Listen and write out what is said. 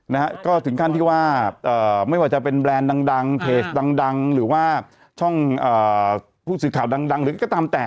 นะฮะก็ถึงขั้นที่ว่าไม่ว่าจะเป็นแบรนด์ดังเพจดังหรือว่าช่องผู้สื่อข่าวดังหรือก็ตามแต่